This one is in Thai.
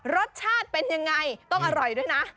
รสชาติเป็นยังไงต้องอร่อยด้วยนะ